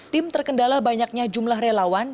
tim terkendala banyaknya jumlah relawan